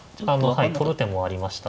はい取る手もありました。